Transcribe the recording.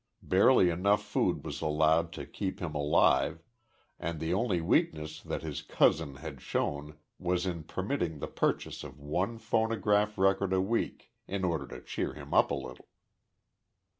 Barely enough food was allowed to keep him alive, and the only weakness that his cousin had shown was in permitting the purchase of one phonograph record a week in order to cheer him up a little.